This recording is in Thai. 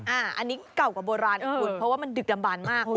อันนี้เก่ากว่าโบราณนะคุณเพราะว่ามันดึกดำบานมาก